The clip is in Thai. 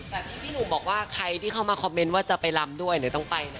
แต่ที่พี่หนุ่มบอกว่าใครที่เข้ามาคอมเมนต์ว่าจะไปลำด้วยเดี๋ยวต้องไปนะ